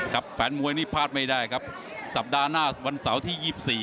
แฟนมวยนี่พลาดไม่ได้ครับสัปดาห์หน้าวันเสาร์ที่๒๔